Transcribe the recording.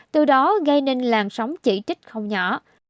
từ đó gây nên làn sóng chỉ trích không nhỏ